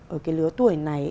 ở cái lứa tuổi này